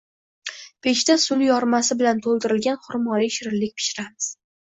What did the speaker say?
Pechda suli yormasi bilan to‘ldirilgan xurmoli shirinlik pishiramiz